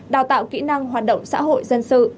đào tạo kỹ năng hoạt động xã hội dân sự